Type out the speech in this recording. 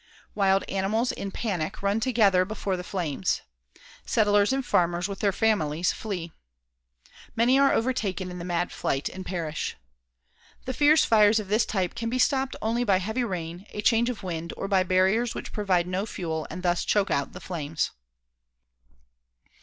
Wild animals, in panic, run together before the flames. Settlers and farmers with their families flee. Many are overtaken in the mad flight and perish. The fierce fires of this type can be stopped only by heavy rain, a change of wind, or by barriers which provide no fuel and thus choke out the flames.